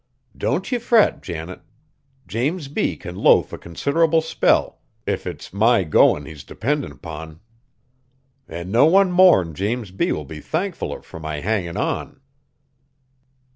Don't ye fret, Janet, James B. can loaf a considerable spell, if it's my goin' he's dependin' 'pon. An' no one more'n James B. will be thankfuller fur my hangin' on."